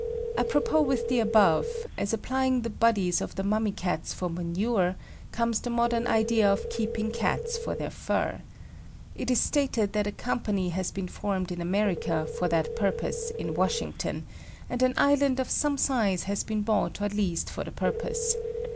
Apropos with the above, as applying the bodies of the mummy Cats for manure, comes the modern idea of keeping Cats for their fur. It is stated that a company has been formed in America for that purpose in Washington, and an island of some size has been bought or leased for the purpose.